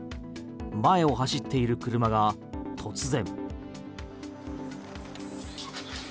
前を走っている車が突然。